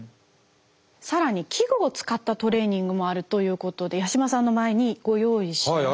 さらに器具を使ったトレーニングもあるということで八嶋さんの前にご用意しました。